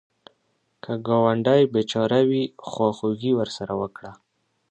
که ګاونډی بېچاره وي، خواخوږي ورسره وکړه